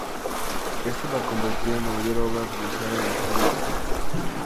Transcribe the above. Esto la convertía en la mayor obra realizada en la historia de la ciudad.